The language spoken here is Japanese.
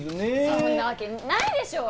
そんなわけないでしょ！